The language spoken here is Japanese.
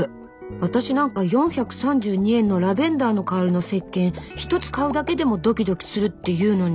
私なんか４３２円のラベンダーの香りのせっけん一つ買うだけでもドキドキするっていうのに。